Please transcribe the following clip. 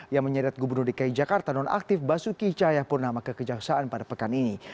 yang menyedat gubernur dki jakarta non aktif basuki cahayapurnama kekejaksaan pada pekan ini